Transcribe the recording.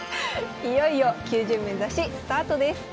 いよいよ９０面指しスタートです。